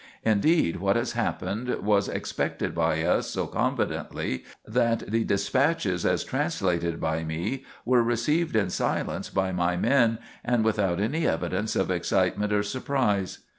Indeed, what has happened was expected by us so confidently that the despatches as translated by me were received in silence by my men and without any evidence of excitement or surprise.